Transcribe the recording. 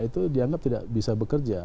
itu dianggap tidak bisa bekerja